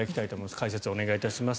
解説、お願いいたします。